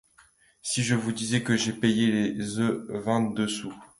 Si je vous disais que j’ai payé les œufs vingt-deux sous...